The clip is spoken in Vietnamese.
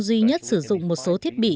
duy nhất sử dụng một số thiết bị